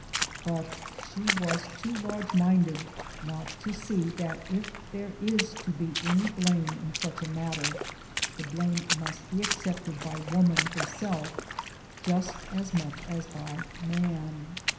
But she was too large minded not to see that if there is to be any blame in such a matter, (the PERSONALITIES 231 'blame must be accepted by Woman herself just as much as by Man.